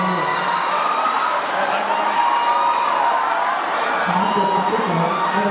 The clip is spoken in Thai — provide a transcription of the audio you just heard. อย่างนี้อย่างนี้